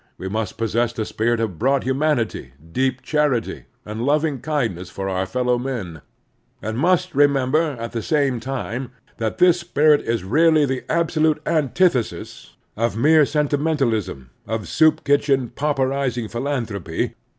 We must possess the spirit of broad humanity, deep charity, and loving kindness for our fellow men, and must remember, at the same time, that this spirit is really the absolute antithesis of mere sentimen talism, of soup kitchen, pauperizing philanthropy.